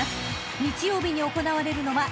［日曜日に行われるのは］